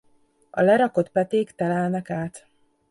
A lerakott peték telelnek át.